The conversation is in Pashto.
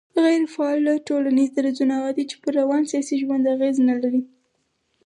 غيري فعاله ټولنيز درځونه هغه دي چي پر روان سياسي ژوند اغېز نه لري